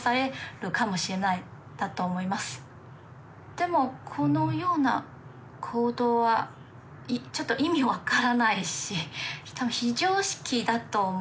でもこのような行動はちょっと意味わからないし多分非常識だと思われます。